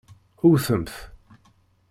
Wwtemt!